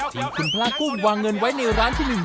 ทีมคุณพระกุ้งวางเงินไว้ในร้านที่๑